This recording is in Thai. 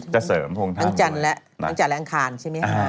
จะเสริมทั้งจันทร์และอังคารใช่ไหมครับ